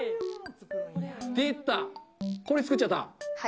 出た、これ作っちゃった？